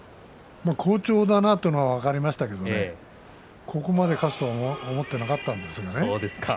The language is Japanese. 好調なのは分かってましたけどここまで勝つとは思っていなかったんですけどね。